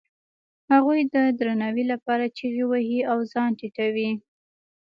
هغوی د درناوي لپاره چیغې وهي او ځان ټیټوي.